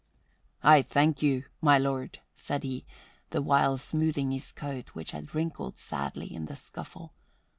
"I thank you, my lord," said he, the while smoothing his coat, which had wrinkled sadly in the scuffle.